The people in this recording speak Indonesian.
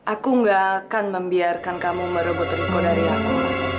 aku gak akan membiarkan kamu merebut riko dari aku